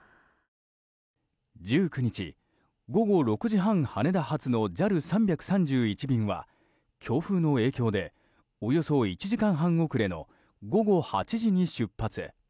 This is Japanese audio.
１９日、午後６時半羽田発のＪＡＬ３３１便は強風の影響でおよそ１時間半遅れの午後８時に出発。